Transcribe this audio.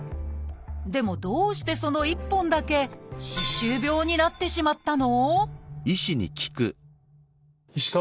でもどうしてその１本だけ歯周病になってしまったの？